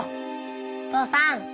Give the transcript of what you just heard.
父さん。